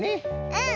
うん。